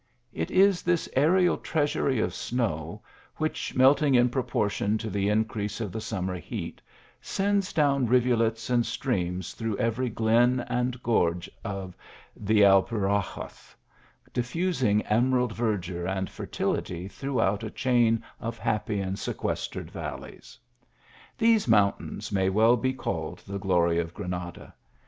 It is this aerial treasury of snow, which, melt ing in proportion to the increase of the summer heat, sends down rivulets and streams through every glen and gorge of the Alpuxarras,: diffusing emerald ver dure and fertility throughout a chain of happy and sequestered valleys. These mountains may well be called the glory of Granada.